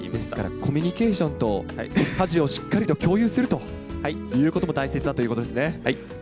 コミュニケーションと家事をしっかりと共有するということも大切だということですね。